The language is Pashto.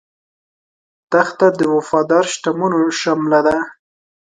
دښته د وفادار شتمنو شمله ده.